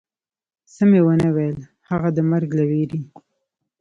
څه مې و نه ویل، هغه د مرګ له وېرې.